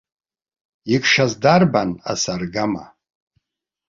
Икшаз дарбан ас аргама?